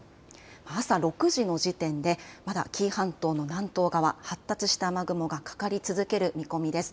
朝６時の時点でまだ紀伊半島の南東側、発達した雨雲がかかり続ける見込みです。